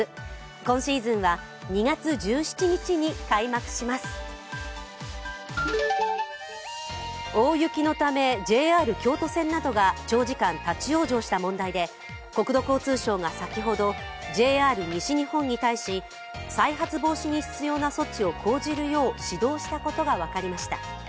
今シーズンは２月１７日に開幕します大雪のためＪＲ京都線などが長時間立往生した問題で国土交通省が先ほど、ＪＲ西日本に対し、再発防止に必要な措置を講じるよう指導したことが分かりました。